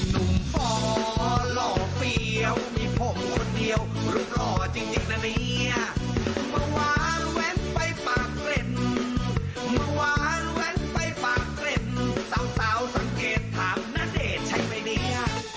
สาวสังเกตถามณเดชใช่ไหมเนี่ย